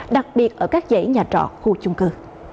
đặc biệt ở các dãy nhà trọ khu chung cư